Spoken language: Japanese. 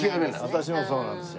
私もそうなんですよ。